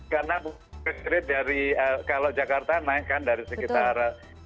karena dari kalau jakarta naik kan dari sekitar